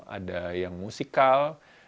ada yang musikal